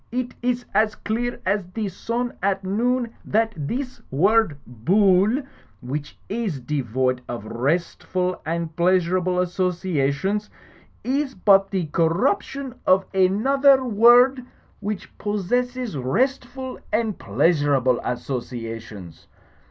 "It iss as clear as the sun at noon that this word Bull, which is devoid of restful and pleasurable associations, is but the corruption of another word, which possesses Digitized by CjOOQI^ A SERMON ON INNS 15 restful and pleasurable associations.